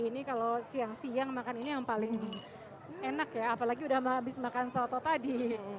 ini kalau siang siang makan ini yang paling enak ya apalagi udah habis makan soto tadi